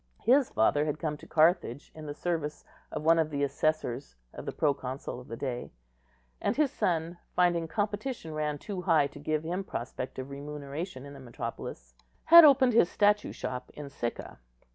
His father had come to Carthage in the service of one of the assessors of the proconsul of the day; and his son, finding competition ran too high to give him prospect of remuneration in the metropolis, had opened his statue shop in Sicca.